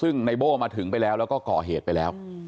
ซึ่งนายโบมาถึงไปแล้วก็ก่อเหตุไปแล้ว